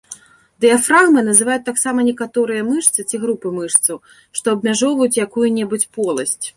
Дыяфрагмай называюць таксама некаторыя мышцы ці групы мышцаў, што абмяжоўваюць якую-небудзь поласць.